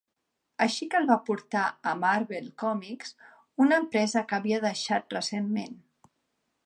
Així que el va portar a Marvel Comics, una empresa que havia deixat recentment.